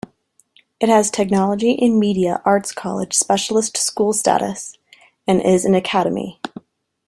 It has Technology and Media Arts College specialist school status, and is an academy.